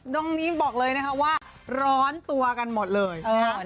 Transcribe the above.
น้องนี้บอกเลยนะคะว่าร้อนตัวกันหมดเลยนะฮะ